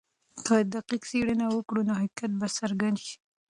که دقیقه څېړنه وکړو نو حقیقت به څرګند سي.